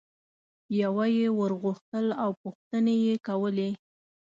یوه یي ور غوښتل او پوښتنې یې کولې.